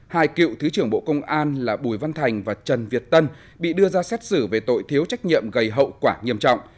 hai cựu thứ trưởng bộ công an là bùi văn thành và trần việt tân bị đưa ra xét xử về tội thiếu trách nhiệm gây hậu quả nghiêm trọng